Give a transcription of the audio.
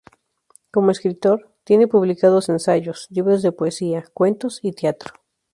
Como escritor, tiene publicados ensayos, libros de poesía, cuentos y teatro.